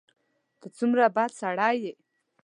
ته څومره بد سړی یې !